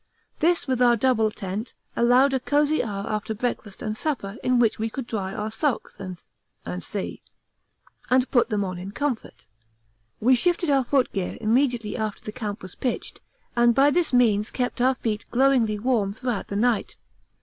This, with our double tent, allowed a cosy hour after breakfast and supper in which we could dry our socks, &c., and put them on in comfort. We shifted our footgear immediately after the camp was pitched, and by this means kept our feet glowingly warm throughout the night.